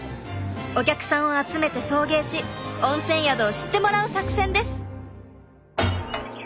お客さんを集めて送迎し温泉宿を知ってもらう作戦です。